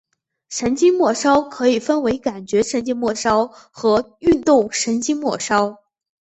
神经末梢可以分为感觉神经末梢和运动神经末梢。